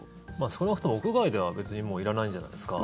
少なくとも屋外では別にもういらないんじゃないですか。